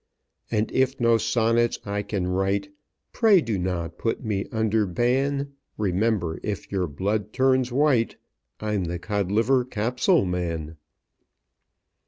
"And if no sonnets I can write, Pray do not put me under ban; Remember, if your blood turns white, I'm the Codliver Capsule Man!"